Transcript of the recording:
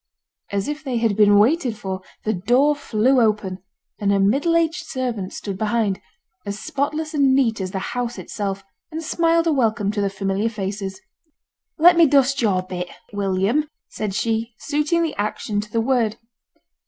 As if they had been waited for, the door flew open, and a middle aged servant stood behind, as spotless and neat as the house itself; and smiled a welcome to the familiar faces. 'Let me dust yo' a bit, William,' said she, suiting the action to the word.